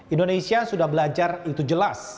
indonesia sudah belajar itu jelas